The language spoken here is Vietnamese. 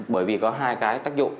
bởi vì có hai cái tác dụng